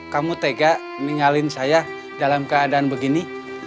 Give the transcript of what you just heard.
kamu tega ningalin saya dalam keadaan begini